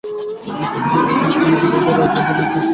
ঐতিহাসিকভাবে এটি মলদোভা রাজ্য নামে পরিচিত ছিল।